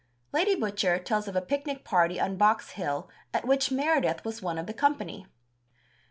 Lady Butcher tells of a picnic party on Box Hill at which Meredith was one of the company.